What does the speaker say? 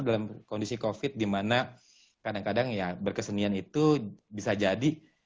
dalam kondisi covid dimana kadang kadang ya berkesenian itu bisa jadi